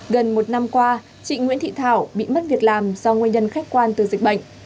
gần một năm qua chị nguyễn thị thảo bị mất việc làm do nguyên nhân khách quan từ dịch bệnh